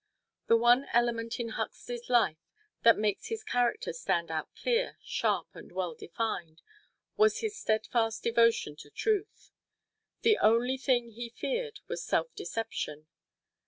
The one element in Huxley's life that makes his character stand out clear, sharp and well defined was his steadfast devotion to truth. The only thing he feared was self deception.